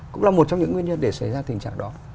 cũng là một trong những nguyên nhân để xảy ra tình trạng đó